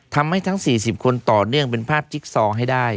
ทั้ง๔๐คนต่อเนื่องเป็นภาพจิ๊กซอให้ได้